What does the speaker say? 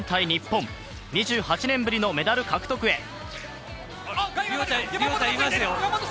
日本、２８年ぶりのメダル獲得へ。